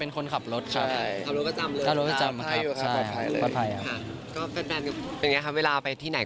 ต้อรับรางวัลเลย